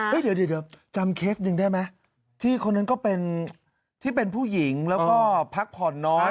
เดี๋ยวจำเคสหนึ่งได้ไหมที่คนนั้นก็เป็นที่เป็นผู้หญิงแล้วก็พักผ่อนน้อย